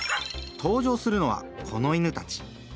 登場するのはこの犬たち。